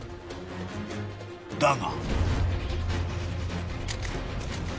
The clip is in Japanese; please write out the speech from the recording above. ［だが］